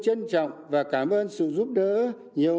trân trọng và cảm ơn sự giúp đỡ nhiều